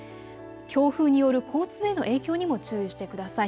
強風による交通への影響にも注意してください。